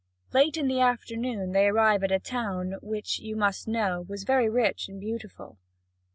Late in the afternoon they arrive at a town, which, you must know, was very rich and beautiful.